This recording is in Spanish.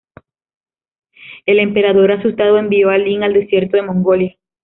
El emperador, asustado, envió a Lin al Desierto de Mongolia.